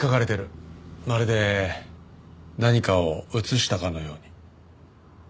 まるで何かを写したかのように。